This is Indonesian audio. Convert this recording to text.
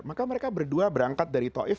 maka mereka berdua berangkat dari taif